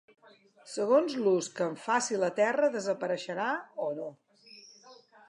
Segons l’ús que en faci la terra desapareixerà o no.